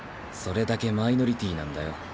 それだけマイノリティーなんだよ